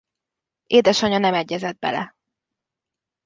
Édesanyja nem egyezett bele.